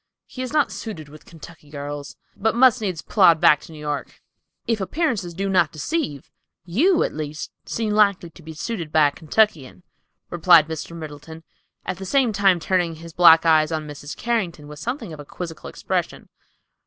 "He is not suited with Kentucky girls, but must needs plod back to New York." "If appearances do not deceive, you, at least, seem likely to be suited by a Kentuckian," replied Mr. Middleton, at the same time turning his black eyes on Mrs. Carrington with something of a quizzical expression.